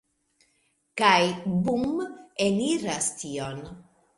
Kaj bum! Eniras tion.